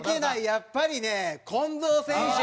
やっぱりね近藤選手。